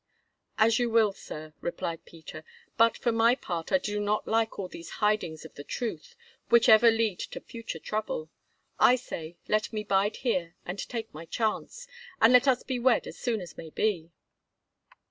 "As you will, Sir," replied Peter; "but for my part I do not like all these hidings of the truth, which ever lead to future trouble. I say, let me bide here and take my chance, and let us be wed as soon as may be."